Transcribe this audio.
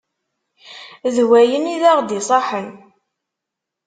D wayen i d aɣ d-iṣaḥen.